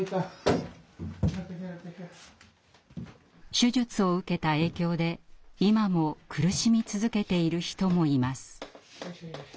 手術を受けた影響で今も苦しみ続けている人もいます。